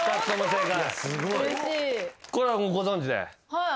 はい。